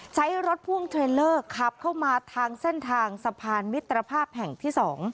ใช้รถพ่วงเทรลเลอร์ขับเข้ามาทางเส้นทางสะพานมิตรภาพแห่งที่๒